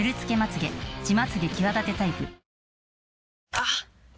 あっ！